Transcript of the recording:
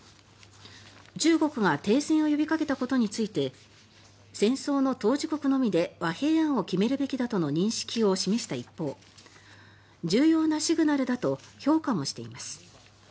中国が停戦を呼びかけたことについて戦争の当事国のみで和平案を決めるべきだとの認識を示した一方、重要なシグナルだと評価もしています。